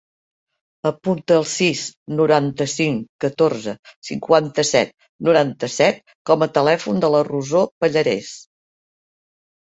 Apunta el sis, noranta-cinc, catorze, cinquanta-set, noranta-set com a telèfon de la Rosó Pallares.